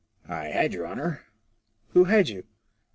" I had, your honour." "Who had you?"